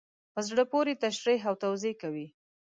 په زړه پوري تشریح او توضیح کوي.